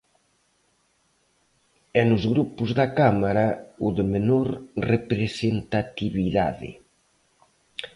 É nos grupos da Cámara o de menor representatividade.